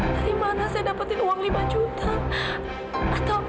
dari mana saya dapetin uang lima juta